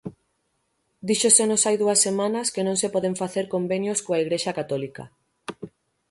Díxosenos hai dúas semanas que non se poden facer convenios coa Igrexa católica.